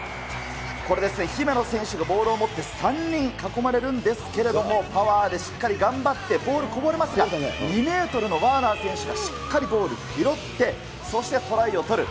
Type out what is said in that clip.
これですね、姫野選手がボールを持って３人囲まれるんですけれども、パワーでしっかり頑張ってボールこぼれますが、２メートルのワーナー選手がしっかりボール拾って、そして、トライを取る。